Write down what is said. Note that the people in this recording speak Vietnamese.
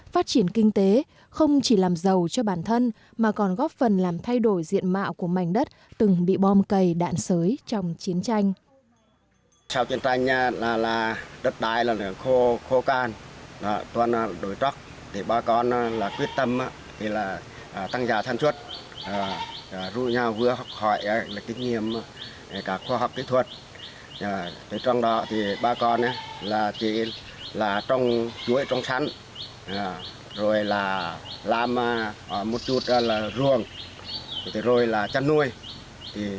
phát triển kinh tế không chỉ làm giàu cho bản thân mà còn góp phần làm thay đổi diện mạo của mảnh đất từng bị bom cầy đạn sới trong chiến tranh